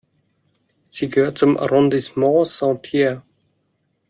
Sie gehört zum Arrondissement Saint-Pierre.